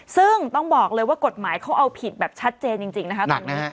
ซึ่งต้องบอกเลยว่ากฎหมายเขาเอาผิดแบบชัดเจนจริงนะคะตอนนี้